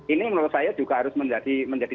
ini menurut saya juga harus menjadi